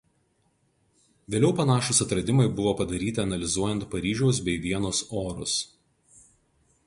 Vėliau panašūs atradimai buvo padaryti analizuojant Paryžiaus bei Vienos orus.